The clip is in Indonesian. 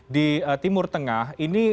di timur tengah